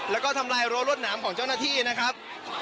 แล้วก็ทำลายรั้วรวดหนามของเจ้าหน้าที่นะครับ